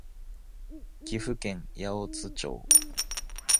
岐阜県八百津町